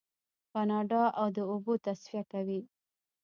کاناډا د اوبو تصفیه کوي.